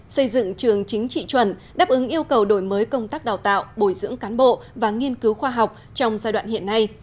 xây dựng trường chính trị chuẩn đáp ứng yêu cầu đổi mới công tác đào tạo bồi dưỡng cán bộ và nghiên cứu khoa học trong giai đoạn hiện nay